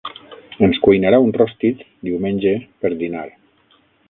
Ens cuinarà un rostit diumenge per dinar